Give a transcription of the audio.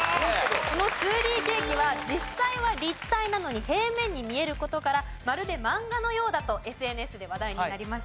この２Ｄケーキは実際は立体なのに平面に見える事からまるで漫画のようだとＳＮＳで話題になりました。